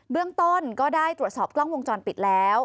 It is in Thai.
เบื้องต้นก็ได้ตรวจสอบกล้องวงจรปิดแล้ว